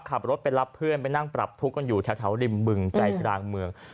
ขับรถไปรับเพื่อนไปนั่งปรับทุกข์กันอยู่แถวริมบึงใจกลางเมือง